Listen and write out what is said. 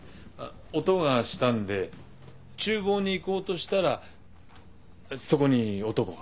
音がしたんで厨房に行こうとしたらそこに男が。